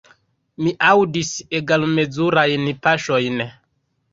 Mi aŭdis egalmezurajn paŝojn.